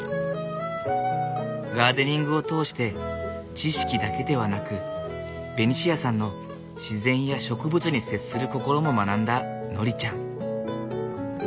ガーデニングを通して知識だけではなくベニシアさんの自然や植物に接する心も学んだノリちゃん。